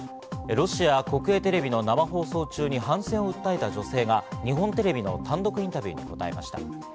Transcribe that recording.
ロシア国営テレビの生放送中に反戦を訴えた女性が日本テレビの単独インタビューに答えました。